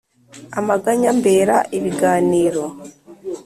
Amaganya ambera ibiganiro,